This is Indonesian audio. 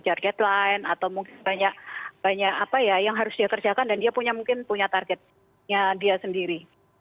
tapi pada saat terakhir ya mungkin banyak kejar deadline atau mungkin banyak apa ya yang harus dikerjakan dan dia mungkin punya targetnya dia sendiri